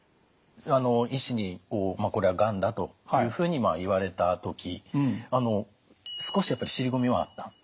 医師にこれはがんだというふうに言われた時少しやっぱり尻込みはあった？